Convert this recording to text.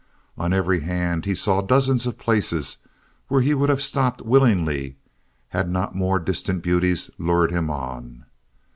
On every hand he saw dozens of places where he would have stopped willingly had not more distant beauties lured him on.